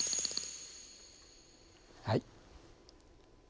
はい。